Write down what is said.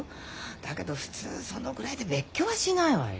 だけど普通そのぐらいで別居はしないわよ。